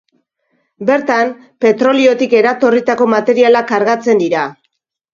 Bertan, petroliotik eratorritako materialak kargatzen dira.